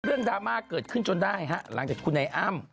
ดราม่าเกิดขึ้นจนได้ฮะหลังจากคุณไอ้อ้ำ